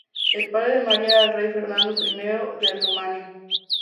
El padre de María era el rey Fernando I de Rumanía.